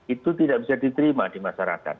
itu tidak bisa diterima di masyarakat